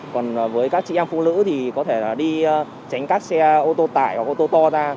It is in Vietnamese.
còn với các chị em phụ nữ thì có thể là đi tránh các xe ô tô tải hoặc ô tô to ra